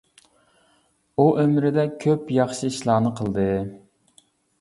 ئۇ ئۆمرىدە كۆپ ياخشى ئىشلارنى قىلدى.